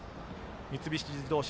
三菱自動車